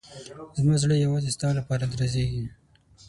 زما زړه یوازې ستا لپاره درزېږي.